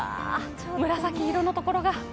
紫色のところが。